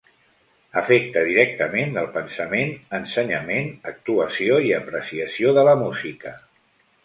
Afecta directament el pensament, ensenyament, actuació i apreciació de la música.